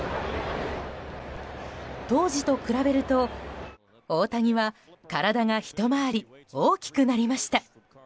当時と比べると、大谷は体がひと回り大きくなりました。